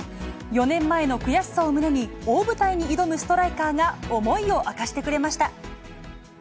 ４年前の悔しさを胸に、大舞台に挑むストライカーが思いを明かしてくれました。